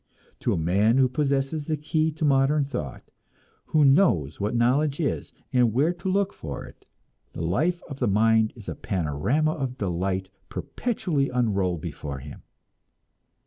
To a man who possesses the key to modern thought, who knows what knowledge is and where to look for it, the life of the mind is a panorama of delight perpetually unrolled before him.